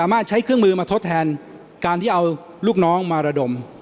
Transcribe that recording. มาทดแทนการที่เอาลูกน้องมาระดม